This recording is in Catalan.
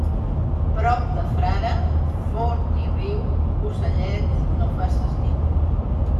Prop de frare, forn ni riu, ocellet, no faces niu.